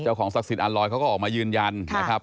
เจ้าของศักดิ์สิทธิ์อัลลอยด์เขาก็ออกมายืนยันนะครับ